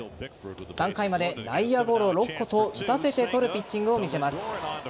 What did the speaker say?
３回まで内野ゴロ６個と打たせて取るピッチングを見せます。